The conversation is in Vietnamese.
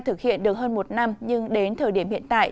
thực hiện được hơn một năm nhưng đến thời điểm hiện tại